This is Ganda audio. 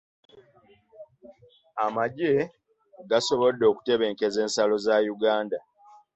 Amagye gasobodde okutebenkeza ensalo za Uganda.